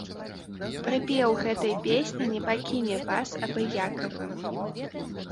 Прыпеў гэтай песні не пакіне вас абыякавым.